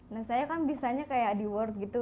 nah saya kan bisnanya kayak di word gitu